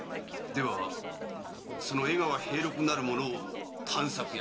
ではその江川兵六なる者を探索役に？